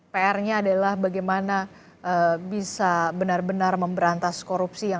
pr nya adalah bagaimana bisa benar benar memberantas korupsi